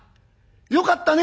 よかったね」。